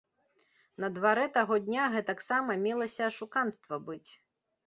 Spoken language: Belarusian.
На дварэ таго дня гэтаксама мелася ашуканства быць.